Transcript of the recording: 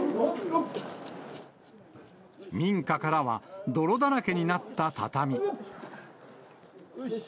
民家からは、泥だらけになった畳。